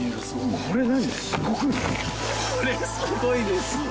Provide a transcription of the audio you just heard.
・これすごいです！